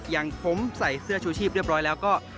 อย่างผมใส่เสื้อชูชีพเรียบร้อยแล้วก็